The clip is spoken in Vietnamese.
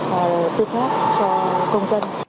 và tư pháp cho công dân